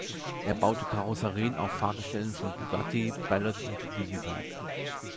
Er baute Karosserien auf Fahrgestellen von Bugatti, Ballot und Duesenberg.